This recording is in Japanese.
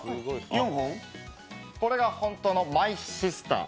これがホントのマイシスター。